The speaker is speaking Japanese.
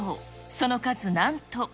その数なんと。